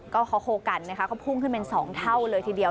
ก็เขาโคกันนะคะก็พุ่งขึ้นเป็น๒เท่าเลยทีเดียว